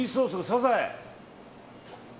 サザエ！